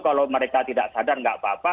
kalau mereka tidak sadar nggak apa apa